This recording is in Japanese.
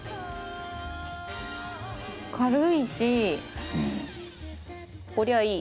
軽いし、こりゃいい。